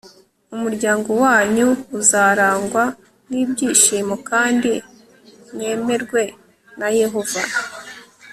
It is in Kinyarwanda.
umuryango wanyu uzarangwa n ibyishimo kandi mwemerwe na yehova